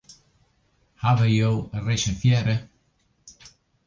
Hawwe jo reservearre?